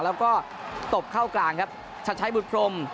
แล้วก็ตบเข้ากลางครับชัดชัยบุตรพรม